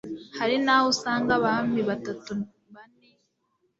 Hari n'aho usanga abami batatu, bane